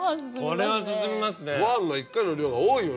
これは進みますね。